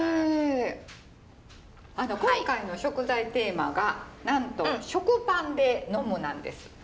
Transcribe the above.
あの今回の食材テーマがなんと「食パンで呑む」なんです。